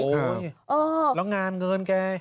แล้วงานเงินแก